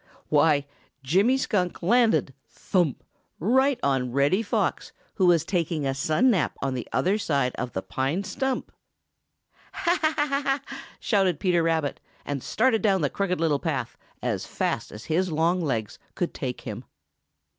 Why, Jimmy Skunk landed thump! right on Reddy Fox, who was taking a sun nap on the other side of the pine stump! "Ha, ha, ha," shouted Peter Rabbit, and started down the Crooked Little Path as fast as his long legs could take him.